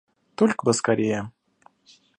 Только бы скорее.